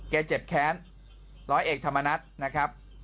เจ็บแค้นร้อยเอกธรรมนัฐนะครับ